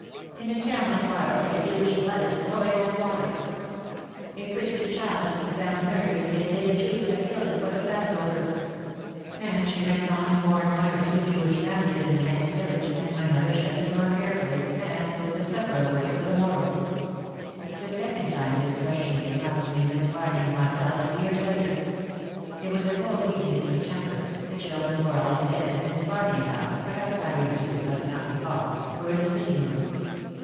In a town not far away Jewish blood is flowing like water. A Christian child has been found murdered and they say the Jews have killed it for the Passover." And she ran on to warn the one or two Jewish families in the next village and my mother shut the door care fully and put the supper away for the morrow. The second time this question came up between Miss Farly and myself was years later. It was a cold evening in September, the children were all in bed and Miss Farly and I, perhaps Irene too, I do not recall, were in the sitting room.